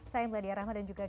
saya mbak diya rahmat dan juga